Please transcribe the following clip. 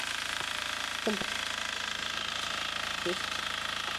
Santander, dirigido por Martín Chirino López.